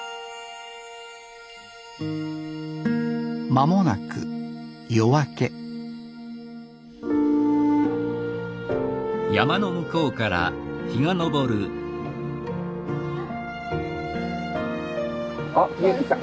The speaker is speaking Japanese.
間もなく夜明けあ見えてきた。